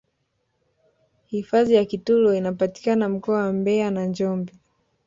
hifadhi ya kitulo inapatikana mkoa wa mbeya na njombe